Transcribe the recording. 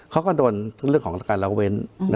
เขาก็โดนเรื่องของการเล่าเว้น